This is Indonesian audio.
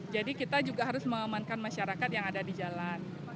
jadi kita juga harus mengamankan masyarakat yang ada di jalan